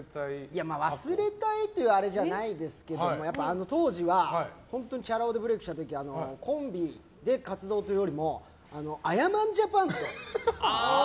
忘れたいというあれではないですけども当時はチャラ男でブレークした時はコンビで活動というよりもあやまんＪＡＰＡＮと。